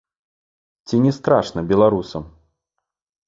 Ці не страшна беларусам?